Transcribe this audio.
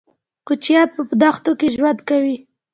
کوچيان په دښتو کې ژوند کوي.